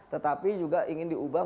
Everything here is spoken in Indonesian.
tetapi juga ingin diubah